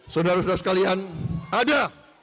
saudara saudara sekalian ada